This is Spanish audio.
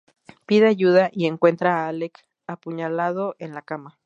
Pide ayuda, y encuentra a Alec apuñalado en la cama.